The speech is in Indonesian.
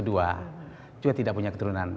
dia tidak punya keturunan